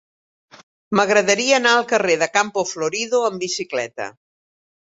M'agradaria anar al carrer de Campo Florido amb bicicleta.